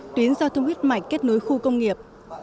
tuyến giao thông huyết mạch kết nối khu công nghiệp